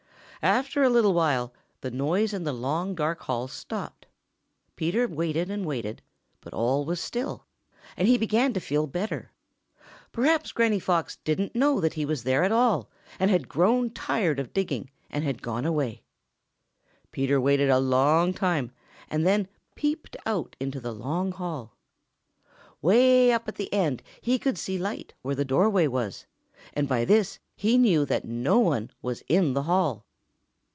After a little while, the noise in the long, dark hall stopped. Peter waited and waited, but all was still, and he began to feel better. Perhaps old Granny Fox didn't know that he was there at all and had grown tired of digging and had gone away. Peter waited a long time and then peeped out into the long hall. Way up at the end he could see light where the doorway was, and by this he knew that no one was in the hall.